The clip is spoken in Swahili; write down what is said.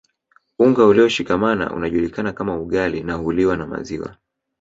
Unga ulioshikamana unajulikana kama ugali na huliwa na maziwa